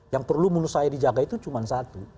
yang perlu menurut saya dijaga itu cuma satu